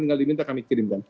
dengan diminta kami kirimkan